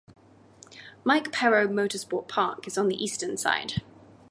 Mike Pero Motorsport Park is on the eastern side.